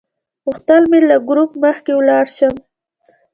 غوښتل مې له ګروپ مخکې لاړ شم.